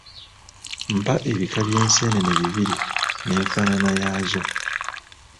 Mpa ebika by’enseenene bibiri n’enfaanaana yaazo.